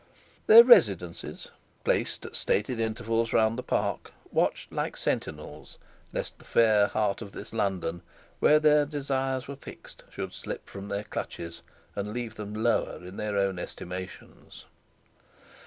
Their residences, placed at stated intervals round the park, watched like sentinels, lest the fair heart of this London, where their desires were fixed, should slip from their clutches, and leave them lower in their own estimations.